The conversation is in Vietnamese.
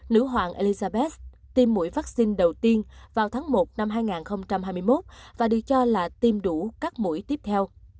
nữ hoàng eabeth tiêm mũi vaccine đầu tiên vào tháng một năm hai nghìn hai mươi một và được cho là tiêm đủ các mũi tiếp theo